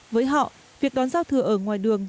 với họ việc đón giao thừa ở ngoài đường